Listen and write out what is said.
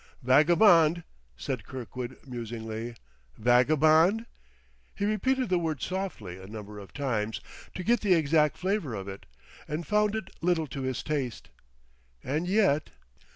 "Vagabond?" said Kirkwood musingly. "Vagabond?" He repeated the word softly a number of times, to get the exact flavor of it, and found it little to his taste. And yet...